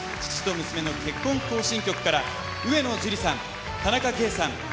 父と娘の結婚行進曲」から上野樹里さん田中圭さん